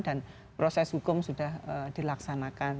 dan proses hukum sudah dilaksanakan